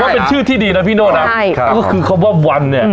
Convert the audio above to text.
แต่ผมว่าเป็นชื่อที่ดีนะพี่โน่น้ำใช่ค่ะก็คือวันเนี่ย